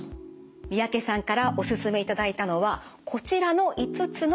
三宅さんからおすすめいただいたのはこちらの５つの対策です。